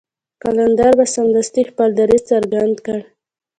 قلندر به سمدستي خپل دريځ څرګند کړ.